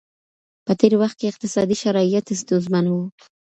په تېر وخت کي اقتصادي شرايط ستونزمن وو.